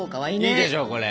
いいでしょこれ。